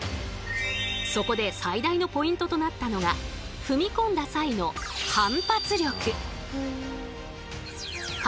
そこで最大のポイントとなったのが踏み込んだ際の反発力！